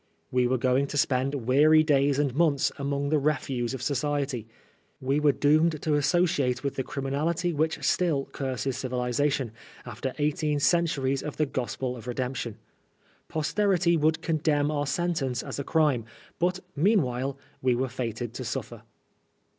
We were going to spend weary days and months among the refuse of society. We were doomed to associate with the criminality which still curses civilisation, after eighteen centuries of the gospel of redemption. Pos terity would condemn our sentence as a crime, but meanwhile we were fated to suffer.